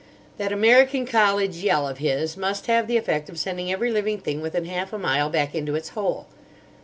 That American college yell of his must have the effect of sending every living thing within half a mile back into its hole.